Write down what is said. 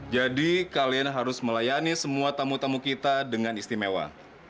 jadi kalian harus melayani semua tamu tamu kita dengan istimewa